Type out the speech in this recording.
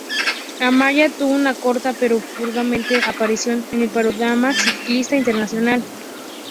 Amaya tuvo una corta pero fulgurante aparición en el panorama ciclista internacional.